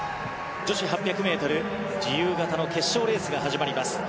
女子８００ｍ自由形の決勝レースが始まります。